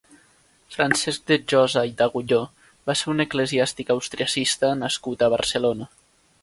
Francesc de Josa i d'Agulló va ser un eclesiàstic austriacista nascut a Barcelona.